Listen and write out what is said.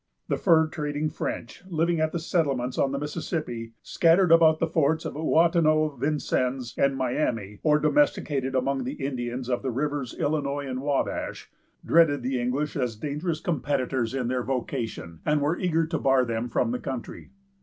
The fur trading French, living at the settlements on the Mississippi, scattered about the forts of Ouatanon, Vincennes, and Miami, or domesticated among the Indians of the Rivers Illinois and Wabash, dreaded the English as dangerous competitors in their vocation, and were eager to bar them from the country.